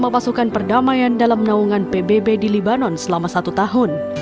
pasukan perdamaian di bawah naungan pbb di lebanon selama satu tahun